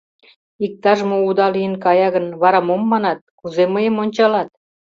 Иктаж-мо уда лийын кая гын, вара мом манат, кузе мыйым ончалат?